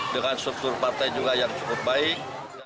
dengan struktur partai juga yang cukup baik